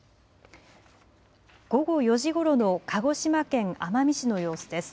午後４時ごろの鹿児島県奄美市の様子です。